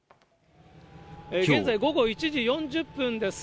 現在、午後１時４０分です。